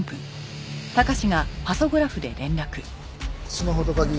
スマホと鍵